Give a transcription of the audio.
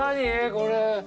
これ。